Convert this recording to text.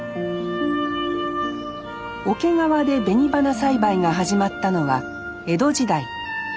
桶川で紅花栽培が始まったのは江戸時代。